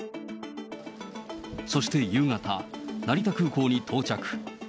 そして夕方、成田空港に到着。